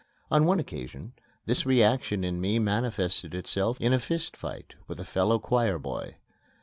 On one occasion this reaction in me manifested itself in a fist fight with a fellow choir boy.